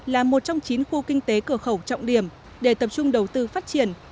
là một trong chín khu kinh tế cửa khẩu trọng điểm để tập trung đầu tư phát triển